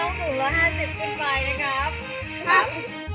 สูงละ๕๐บาทได้ครับ